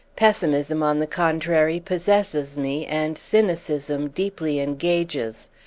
Pessimism on the contrary possesses me and cynicism deeply engages.